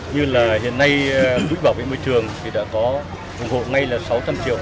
như là hiện nay quỹ bảo vệ môi trường thì đã có ủng hộ ngay là sáu trăm linh triệu